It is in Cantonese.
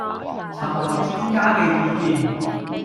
尋求專家嘅意見